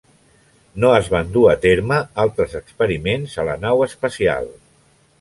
No es van dur a terme altres experiments a la nau espacial.